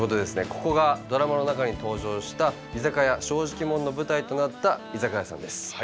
ここがドラマの中に登場した居酒屋しょうじきもんの舞台となった居酒屋さんです。